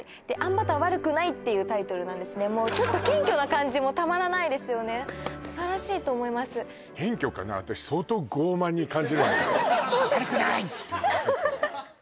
で「あんバターは悪くない」っていうタイトルなんですねちょっと謙虚な感じもたまらないですよね素晴らしいと思いますそうですかね？